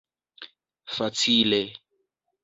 facile